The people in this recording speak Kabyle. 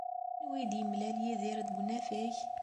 Anwa ay d-yemlal Yidir deg unafag?